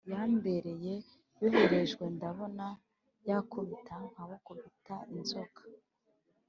yambere yoherejwe ndabona bakubita nkabakubita inzoka